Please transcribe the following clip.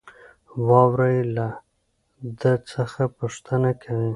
وراره يې له ده څخه پوښتنه کوي.